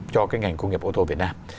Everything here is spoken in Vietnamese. cho cái ngành công nghiệp ô tô việt nam